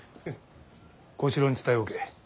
小四郎に伝えおけ。